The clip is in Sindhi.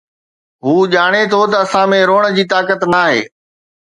هو ڄاڻي ٿو ته اسان ۾ روئڻ جي طاقت ناهي